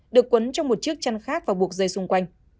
được quấn trong một chiếc chăn khác và buộc dây xung quanh